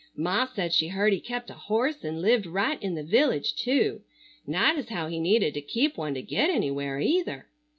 Ma said she heard he kept a horse and lived right in the village too, not as how he needed to keep one to get anywhere, either.